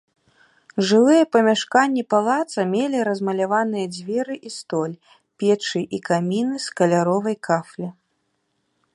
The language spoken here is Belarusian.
Жылыя памяшканні палаца мелі размаляваныя дзверы і столь, печы і каміны з каляровай кафлі.